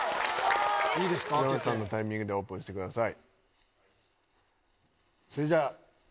山内さんのタイミングでオープンしてください。